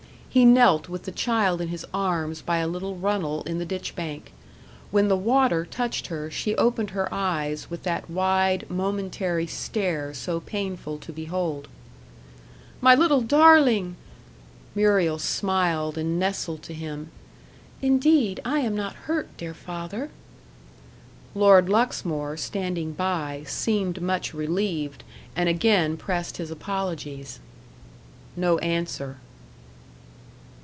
He knelt with the child in his arms by a little runnel in the ditch bank. When the water touched her she opened her eyes with that wide, momentary stare so painful to behold. "My little darling!" Muriel smiled, and nestled to him. "Indeed, I am not hurt, dear father." Lord Luxmore, standing by, seemed much relieved, and again pressed his apologies. No answer.